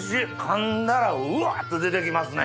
かんだらわ！と出てきますね。